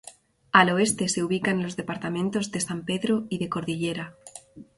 Al oeste se ubican los departamentos de San Pedro y de Cordillera.